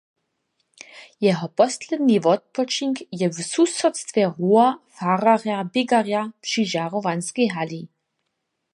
Jeho posledni wotpočink je w susodstwje rowa fararja Běgarja při žarowanskej hali.